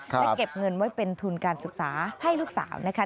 และเก็บเงินไว้เป็นทุนการศึกษาให้ลูกสาวนะคะ